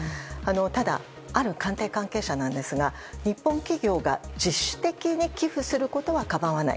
ただ、ある官邸関係者なんですが日本企業が自主的に寄付することは構わない。